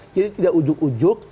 jadi tidak ujuk ujuk